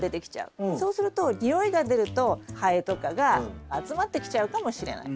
そうすると臭いが出るとハエとかが集まってきちゃうかもしれない。